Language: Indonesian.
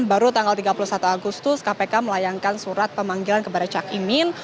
baru tanggal tiga puluh satu agustus kpk melayangkan surat pemanggilan kepada cak imin